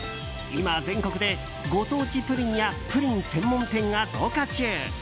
今、全国でご当地プリンやプリン専門店が増加中。